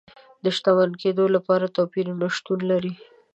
د شتمن کېدو لپاره توپیرونه شتون لري.